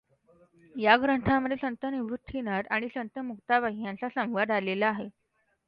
ह्या ग्रंथामध्ये संत निवृत्तीनाथ आणि संत मुक्ताबाई ह्यांचा संवाद आलेला आहे.